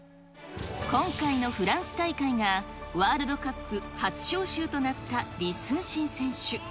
今回のフランス大会がワールドカップ初招集となった李承信選手。